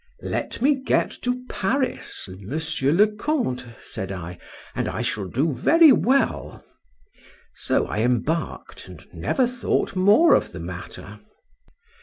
—Let me get to Paris, Monsieur le Count, said I,—and I shall do very well. So I embark'd, and never thought more of the matter.